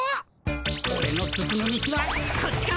オレの進む道はこっちか？